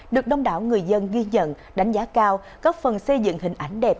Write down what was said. được đông đảo người dân ghi nhận đánh giá cao góp phần xây dựng hình ảnh đẹp